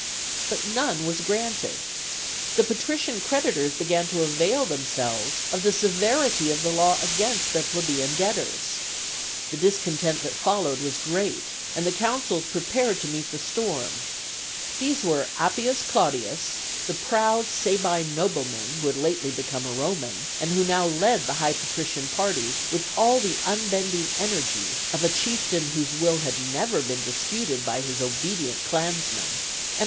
But none was granted. The patrician creditors began to avail themselves of the severity of the law against their plebeian debtors. The discontent that followed was great, and the consuls prepared to meet the storm. These were Appius Claudius, the proud Sabine nobleman who had lately become a Roman, and who now led the high patrician party with all the unbending energy of a chieftain whose will had never been disputed by his obedient clansmen; and P.